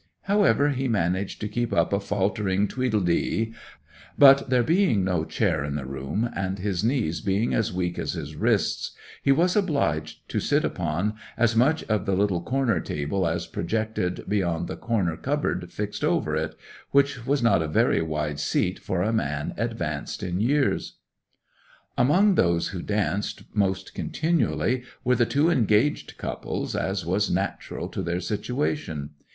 However, he managed to keep up a faltering tweedle dee; but there being no chair in the room, and his knees being as weak as his wrists, he was obliged to sit upon as much of the little corner table as projected beyond the corner cupboard fixed over it, which was not a very wide seat for a man advanced in years. 'Among those who danced most continually were the two engaged couples, as was natural to their situation.